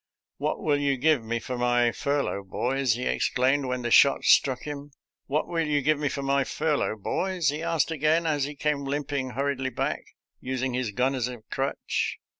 " What will you give me for my fur lough, boys ?" he exclaimed when the shot struck him. " What will you give me for my furlough, boys.'' " he asked again, as he came limping hur riedly back, using his gun for a crutch.